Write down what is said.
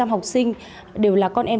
tám mươi học sinh đều là con em